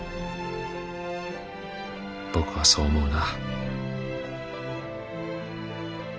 僕はそう思うな。